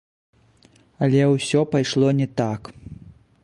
Але усё пайшло не так.